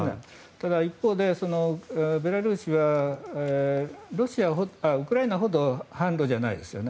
ただ一方でベラルーシはウクライナほど反ロじゃないですね。